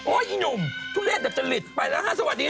โอ๊ยอีหนุ่มทุเรศแต่จะหลิดไปแล้วฮะสวัสดีนะ